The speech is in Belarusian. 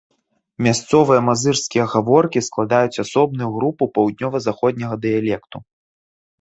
Мясцовыя мазырскія гаворкі складаюць асобную групу паўднёва-заходняга дыялекту.